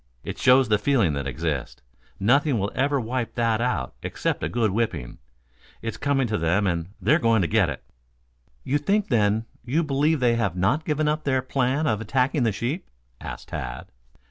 It shows the feeling that exists. Nothing will ever wipe that out except a good whipping. It's coming to them and they are going to get it." "You think then you believe they have not given up their plan of attacking the sheep?" asked Tad.